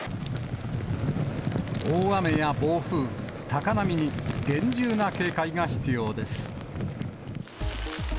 大雨や暴風、高波に厳重な警戒が必要です。